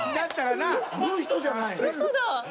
あの人じゃないん？